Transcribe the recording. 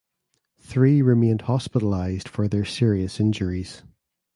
Three remained hospitalized for their serious injuries.